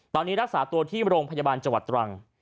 ตอนนี้รักษาตัวที่โรมพัฒนีบรรยาบานจังหวัดตรัง